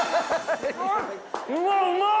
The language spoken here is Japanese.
うわうまっ！